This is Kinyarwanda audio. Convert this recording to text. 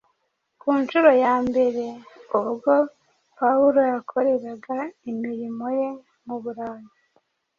Ku ncuro ya mbere ubwo Pawulo yakoreraga imirimo ye mu Burayi